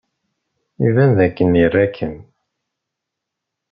Iban dakken ira-ikem.